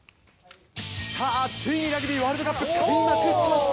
ついにラグビーワールドカップ開幕しました。